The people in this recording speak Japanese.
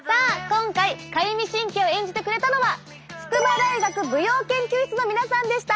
今回かゆみ神経を演じてくれたのは筑波大学舞踊研究室のみなさんでした！